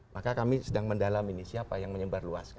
maka kami sedang mendalam ini siapa yang menyebar luasnya